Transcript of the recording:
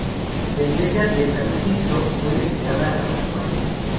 La iglesia de San Tirso fue dedicada a San Mario.